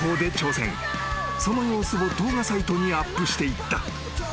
［その様子を動画サイトにアップしていった］